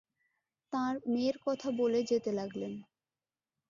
তাঁর মেয়ের কথা বলে যেতে লাগলেন।